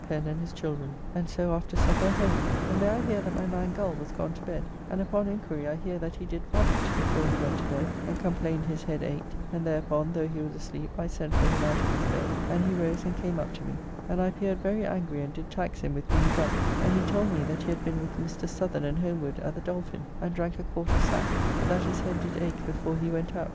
Pen and his children, and so after supper home, and there I hear that my man Gull was gone to bed, and upon enquiry I hear that he did vomit before he went to bed, and complained his head ached, and thereupon though he was asleep I sent for him out of his bed, and he rose and came up to me, and I appeared very angry and did tax him with being drunk, and he told me that he had been with Mr. Southerne and Homewood at the Dolphin, and drank a quart of sack, but that his head did ache before he went out.